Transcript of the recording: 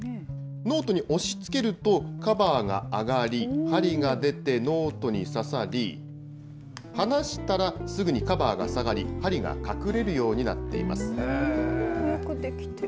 ノートに押しつけるとカバーが上がり、針が出て、ノートに刺さり、離したらすぐにカバーが下がり、針が隠れるようになっていよく出来てる。